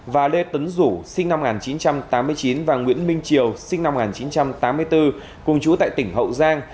và lê tuấn rủ sinh năm một nghìn chín trăm tám mươi chín và nguyễn minh triều sinh năm một nghìn chín trăm tám mươi bốn cùng chú tại tỉnh hậu giang